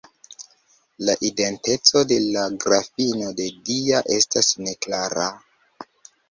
La identeco de la Grafino de Dia estas neklara.